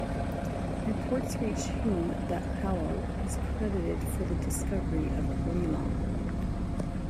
Reports reached Hume that Hovell was credited for the discovery of Geelong.